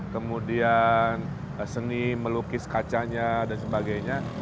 kemudian seni melukis kacanya dan sebagainya